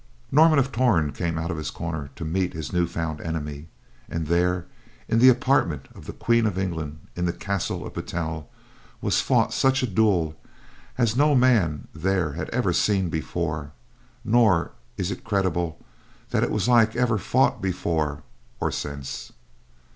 Norman of Torn came out of his corner to meet his new found enemy, and there, in the apartment of the Queen of England in the castle of Battel, was fought such a duel as no man there had ever seen before, nor is it credible that its like was ever fought before or since.